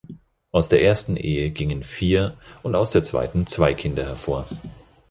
Aus der ersten Ehe gingen vier und aus der zweiten zwei Kinder hervor.